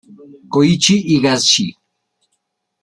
Koichi Higashi